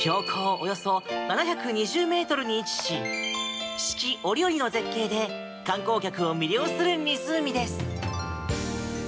およそ７２０ｍに位置し四季折々の絶景で観光客を魅了する湖です。